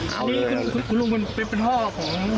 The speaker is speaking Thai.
เอาเลยนะนี่คุณลูกเป็นพ่อของ